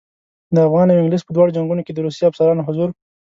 د افغان او انګلیس په دواړو جنګونو کې د روسي افسرانو حضور.